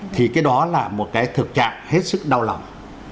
thì cái đó là một cái thực trạng hết sức đau lòng